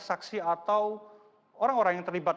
saksi atau orang orang yang terlibat